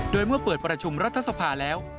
โดยเมื่อเปิดประชุมรัฐสภาแล้ว